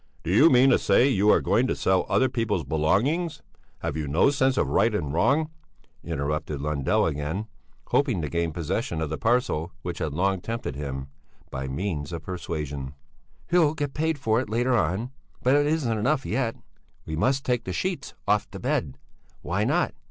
"Do you mean to say you are going to sell other people's belongings? Have you no sense of right and wrong?" interrupted Lundell again, hoping to gain possession of the parcel which had long tempted him, by means of persuasion. "He'll get paid for it later on! But it isn't enough yet. We must take the sheets off the bed. Why not?